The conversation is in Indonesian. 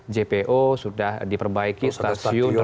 jpo sudah diperbaiki stasiun